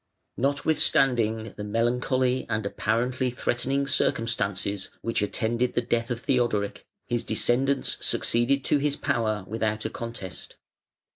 Notwithstanding the melancholy and apparently threatening circumstances which attended the death of Theodoric, his descendants succeeded to his power without a contest.